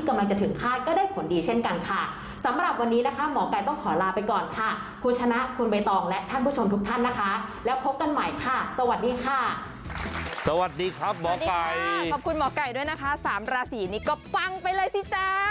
สวัสดีค่ะขอบคุณหมอกไก่ด้วยนะคะ๓รา๔นี้ก็ปังไปเลยสิจ๊ะ